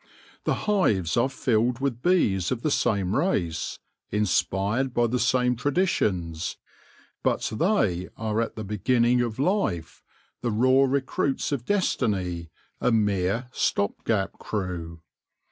The hives are rilled with bees of the same race, in spired by the same traditions ; but they are at the beginning of life, the raw recruits of destiny, a mere stop gap crew.